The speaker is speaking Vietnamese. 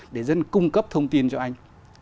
để dân cung cấp thông tin cho anh